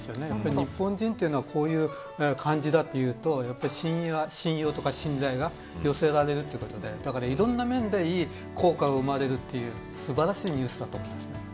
日本人はこういう感じだというと信用とか信頼が寄せられるということでいろんな面でいい効果が生まれるという素晴らしいニュースだと思います。